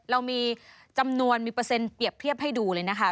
เรามีจำนวนมีเปอร์เซ็นต์เปรียบเทียบให้ดูเลยนะคะ